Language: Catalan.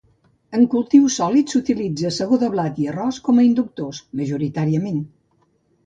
En cultius sòlids s’utilitza segó de blat i arròs com a inductors majoritàriament.